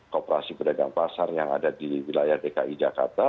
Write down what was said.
koperasi pedagang pasar yang ada di wilayah dki jakarta